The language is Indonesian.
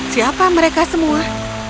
siapa mereka semua